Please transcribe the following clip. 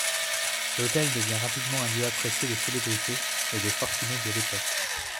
L'hôtel devient rapidement un lieu apprécié des célébrités et des fortunés de l'époque.